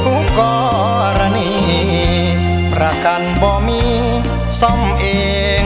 อุบันติเหตุหัวหัวใจหุกรณีรักกันบ่มีส่องเองชายเอง